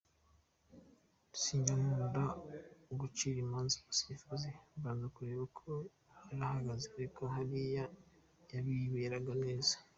Sinjya nkunda gucira imanza umusifuzi mbanza kureba uko yarahagaze ariko hariya yabirebaga neza.